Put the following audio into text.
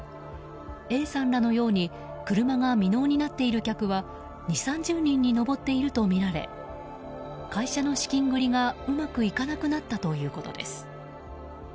Ａさんらのように車が未納になっている客は２０３０人に上っているとみられ会社の資金繰りがうまくいかなくなったということです。